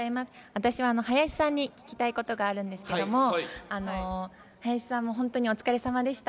私は林さんに聞きたいことがあるんですけれども、林さんも本当にお疲れさまでした。